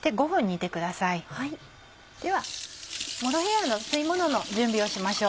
ではモロヘイヤの吸いものの準備をしましょう。